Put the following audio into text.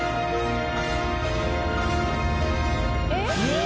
えっ？